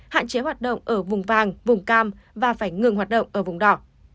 hạn chế hoạt động ở vùng vàng vùng cam và phải ngừng hoạt động ở vùng đỏ